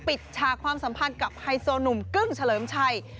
ฉากความสัมพันธ์กับไฮโซหนุ่มกึ้งเฉลิมชัย